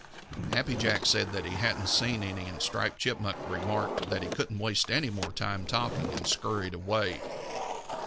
Happy Jack said that he hadn't seen any, and Striped Chipmunk remarked that he couldn't waste any more time talking, and scurried away.